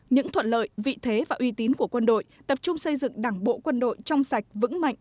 những thuận lợi vị thế và uy tín của quân đội tập trung xây dựng đảng bộ quân đội trong sạch vững mạnh